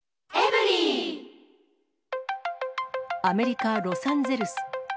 アメリカ・ロサンゼルス。